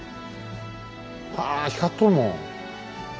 あ光っとるもん。